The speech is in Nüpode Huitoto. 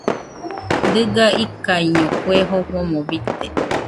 Diga ikaiño kue jofomo bite